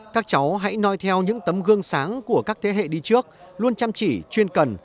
các cháu hãy nói theo những tấm gương sáng của các thế hệ đi trước luôn chăm chỉ chuyên cần